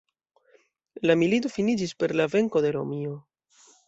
La milito finiĝis per la venko de Romio.